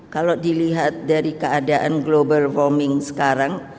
kalau dilihat dari keadaan global farming sekarang